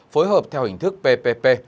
phối hợp theo hình thức ppp